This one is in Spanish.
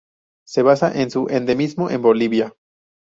Se basa en su endemismo en Bolivia.